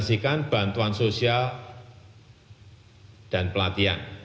dengan perhubungan sosial dan pelatihan